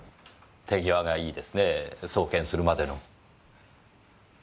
手際がいいですねぇ送検するまでの。